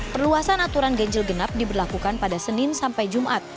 perluasan aturan ganjil genap diberlakukan pada senin sampai jumat